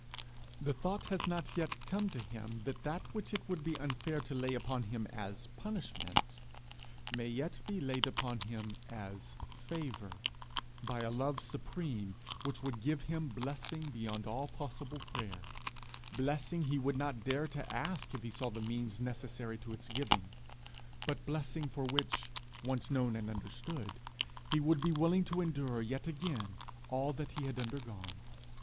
The thought has not yet come to him that that which it would be unfair to lay upon him as punishment, may yet be laid upon him as favour by a love supreme which would give him blessing beyond all possible prayer blessing he would not dare to ask if he saw the means necessary to its giving, but blessing for which, once known and understood, he would be willing to endure yet again all that he had undergone.